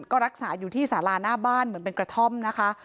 ก็รักษาอยู่ที่สาราหน้าบ้านเหมือนเป็นกระท่อมนะคะ